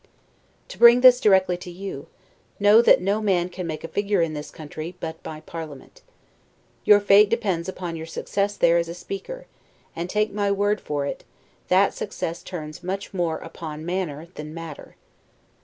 To bring this directly to you: know that no man can make a figure in this country, but by parliament. Your fate depends upon your success there as a speaker; and, take my word for it, that success turns much more upon manner than matter.